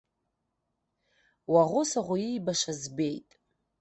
Уаӷоу-саӷоу иибаша збеит.